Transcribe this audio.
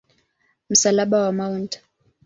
Msalaba wa Mt.